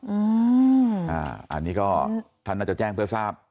อันนี้ก็ท่านน่าจะแจ้งเพื่อทราบ